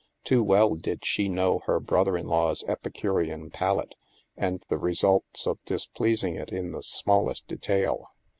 Too well did she know her brother in law's Epicurean palate, and the results of displeasing it in the smallest detail.